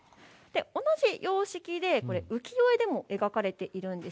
同じ様式で浮世絵でも描かれているんです。